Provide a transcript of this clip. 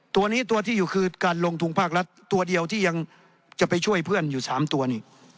ตัวนี้ตัวที่อยู่คือการลงทุนภาครัฐตัวเดียวที่ยังจะไปช่วยเพื่อนอยู่๓ตัวนี่